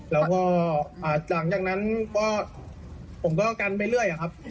แล้วก็หลังจากนั้นก็ผมก็กันไปเรื่อยครับ